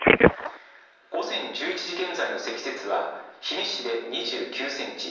午前１１時現在の積雪は氷見市で２９センチ